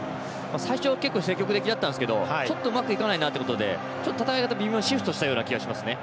最初は積極的だったんですけどちょっとうまくいかないなということでちょっと戦い方をシフトしたような気がしますね。